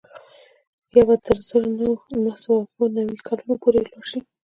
یا به تر زر نه سوه اووه نوي کلونو پورې لوړ شي